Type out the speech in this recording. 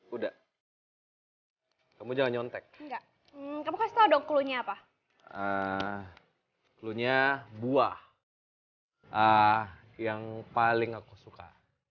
udah kamu jangan nyontek enggak kamu kasih tahu klunya apa klunya buah yang paling aku suka